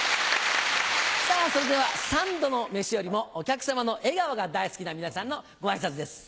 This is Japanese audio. さぁそれでは三度の飯よりもお客様の笑顔が大好きな皆さんのご挨拶です。